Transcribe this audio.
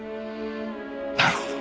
なるほど。